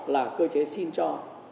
là cơ chế xin cho